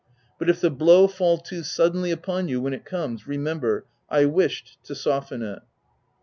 But if the blow fall too suddenly upon you when it comes, remember — I wished to soften it